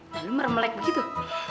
belum remlek begitu